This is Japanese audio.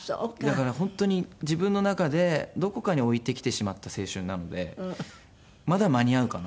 だから本当に自分の中でどこかに置いてきてしまった青春なのでまだ間に合うかなって。